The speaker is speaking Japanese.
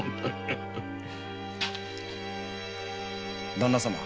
旦那様